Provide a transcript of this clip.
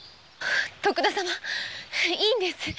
徳田様いいんです。